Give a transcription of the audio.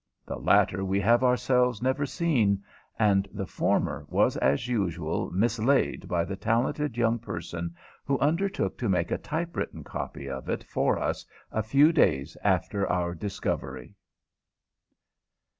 The latter we have ourselves never seen, and the former was, as usual, mislaid by the talented young person who undertook to make a type written copy of it for us a few days after our discovery.